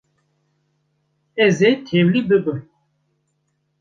Ez ê tevlî bibim.